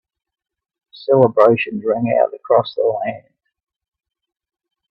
Celebrations rang out across the land.